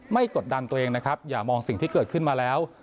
กดดันตัวเองนะครับอย่ามองสิ่งที่เกิดขึ้นมาแล้ว